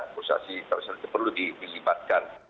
organisasi tersebut perlu dikibatkan